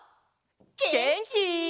げんき？